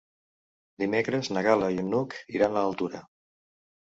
Dimecres na Gal·la i n'Hug iran a Altura.